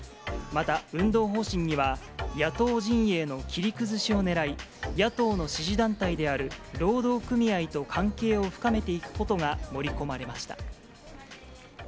また運動方針には、野党陣営の切り崩しをねらい、野党の支持団体である労働組合と関係を深めていくことが盛り込まれました。